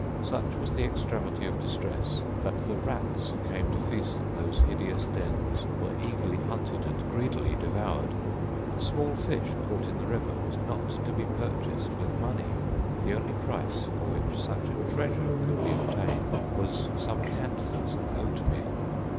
Such was the extremity of distress, that the rats who came to feast in those hideous dens were eagerly hunted and greedily devoured. A small fish, caught in the river, was not to be purchased with money. The only price for which such a treasure could be obtained was some handfuls of oatmeal.